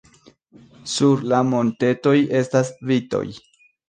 Sur la montetoj estas vitoj.